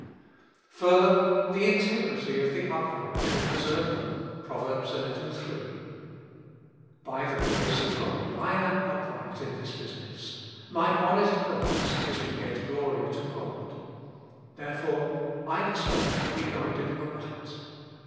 Further :' The integrity of the upright shall preserve them ' (Prov. xi. 3). By the grace of God I ain upright in this business. My honest pur pose is to get glory to God. Therefore I expect to be guided aright.